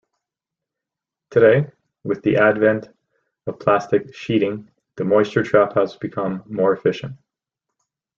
Today, with the advent of plastic sheeting, the moisture trap has become more efficient.